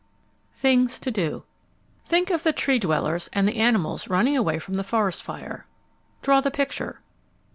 THINGS TO DO Think of the Tree dwellers and the animals running away from the forest fire. _Draw the picture.